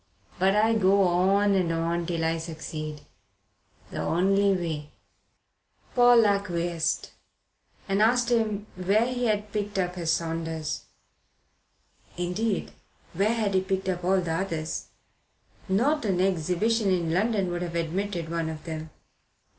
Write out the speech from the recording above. But I go on and on till I succeed. The only way." Paul acquiesced and asked him where he had picked up his Saunders. Indeed, where had he picked up all the others? Not an exhibition in London would have admitted one of them.